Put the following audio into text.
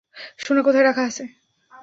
সোনা কোথায় রাখা আছে?